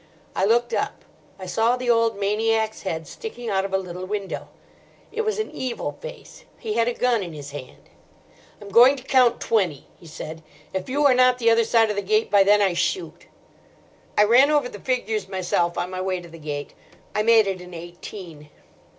I looked up. I saw the old maniac's head sticking out of a little window. It was an evil face. He had a gun in his hand. "'I'm going to count twenty,' he said. 'If you are not the other side of the gate by then, I shoot.' "I ran over the figures myself on my way to the gate. I made it eighteen.